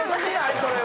それは。